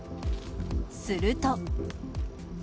すると。